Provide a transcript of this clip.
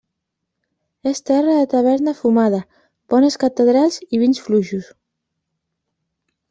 És terra de taverna fumada, bones catedrals i vins fluixos.